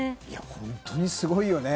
本当にすごいよね。